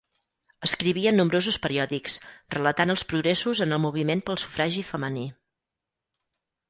Escrivia en nombrosos periòdics relatant els progressos en el moviment pel sufragi femení.